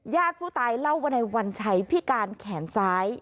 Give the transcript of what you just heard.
ญาติผู้ตายเล่าว่าในวันชัยพิการแขนซ้าย